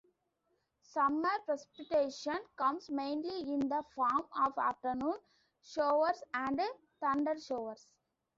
Summer precipitation comes mainly in the form of afternoon showers and thundershowers.